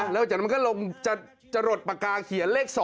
แล้วพอคนเข้าเลยจะลดปากกาเขียนเลข๒